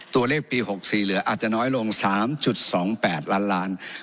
ปี๖๔เหลืออาจจะน้อยลง๓๒๘ล้านล้าน